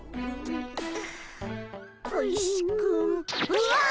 うわっ！